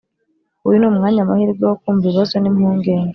Uyu ni umwanya amahirwe wo kumva ibibazo n impungenge